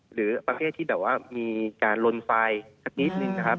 หรือประเภทที่แบบว่ามีการลนไฟล์สักนิดนึงนะครับ